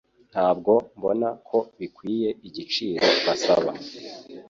Ntabwo mbona ko bikwiye igiciro basaba.